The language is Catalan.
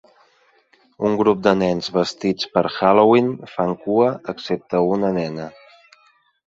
Un grup de nens vestits per Halloween fan cua excepte una nena.